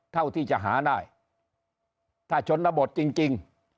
เท่าที่จะหาได้ถ้าชนบทจริง